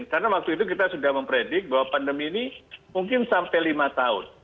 karena waktu itu kita sudah mempredik bahwa pandemi ini mungkin sampai lima tahun